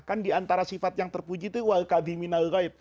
kan diantara sifat yang terpuji itu